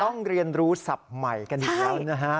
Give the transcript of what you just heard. ต้องเรียนรู้ศัพท์ใหม่กันอีกแล้วนะฮะ